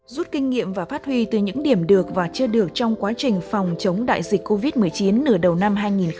rút kinh nghiệm và phát huy từ những điểm được và chưa được trong quá trình phòng chống đại dịch covid một mươi chín nửa đầu năm hai nghìn hai mươi